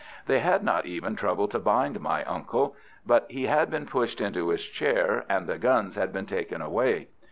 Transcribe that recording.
They had not even troubled to bind my uncle, but he had been pushed into his chair, and the guns had been taken away.